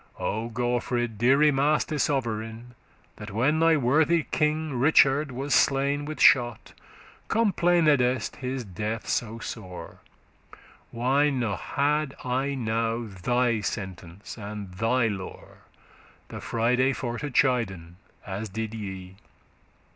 O Gaufrid, deare master sovereign, <33> That, when thy worthy king Richard was slain With shot, complainedest his death so sore, Why n'had I now thy sentence and thy lore, The Friday for to chiden, as did ye?